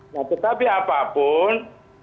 nah tetapi apapun